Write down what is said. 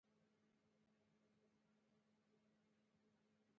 د کور غړي باید یو بل ته وخت ورکړي.